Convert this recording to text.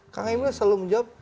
kang emil selalu menjawab